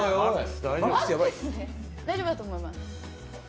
大丈夫だと思います。